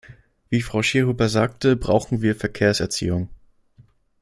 Wie Frau Schierhuber sagte, brauchen wir Verkehrserziehung.